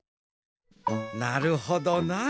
なるほどな。